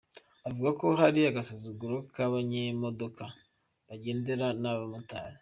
Avuga ko hari agasuzuguro k’abanyemodoka bagendera nabi abamotari.